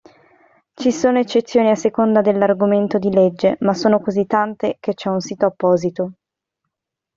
Ci sono eccezioni a seconda dell'argomento di legge ma sono così tante che c'è un sito apposito.